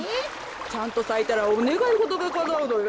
ちゃんとさいたらおねがいごとがかなうのよ。